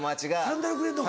サンダルくれんのか。